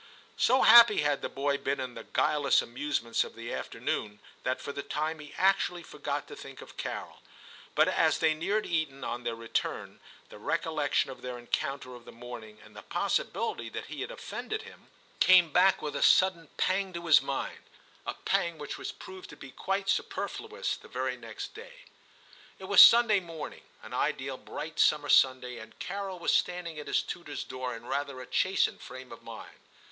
So happy had the boy been in the guile less amusements of the afternoon that for the time he actually forgot to think of Carol. But as they neared Eton on their return the recollection of their encounter of the morning and the possibility that he had offended him 156 TIM CHAP. came back with a sudden pang to his mind — a pang which was proved to be quite super fluous the very next day. It was Sunday morning, an ideal bright summer Sunday, and Carol was standing at his tutor's door in rather a chastened frame of mind.